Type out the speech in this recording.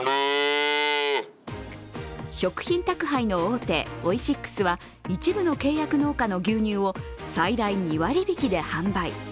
食品宅配の大手オイシックスは一部の契約農家の牛乳を最大２割引きで販売。